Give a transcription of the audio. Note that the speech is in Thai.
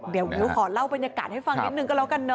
เดี๋ยวมิ้วขอเล่าบรรยากาศให้ฟังนิดนึงก็แล้วกันเน